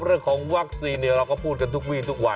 เรื่องของวัคซีนเราก็พูดกันทุกวีทุกวัน